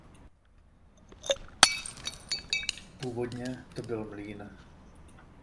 Původně to byl mlýn.